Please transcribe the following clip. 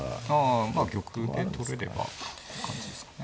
あまあ玉で取れればっていう感じですかね。